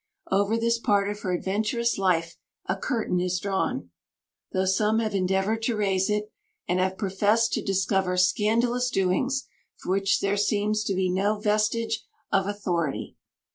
Over this part of her adventurous life a curtain is drawn; though some have endeavoured to raise it, and have professed to discover scandalous doings for which there seems to be no vestige of authority.